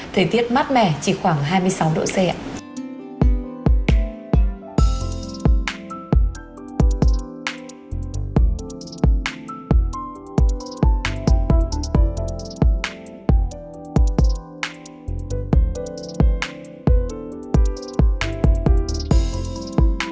thời tiết mát mẻ chỉ khoảng hai mươi sáu độ c ạ